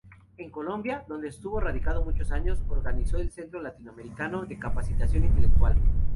En Colombia, donde estuvo radicado muchos años, organizó el Centro Latinoamericano de Capacitación Intelectual.